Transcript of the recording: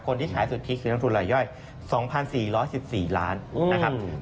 คนที่ขายสุดที่คือน้ำทุนลายย่อยสองพันสี่ร้อยสิบสี่ล้านนะครับ